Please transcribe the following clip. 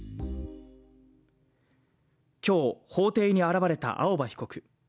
今日、法廷に現れた青葉被告。